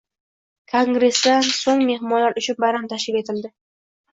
Kongresdan so‘ng mehmonlar uchun bayram tashkil etildi.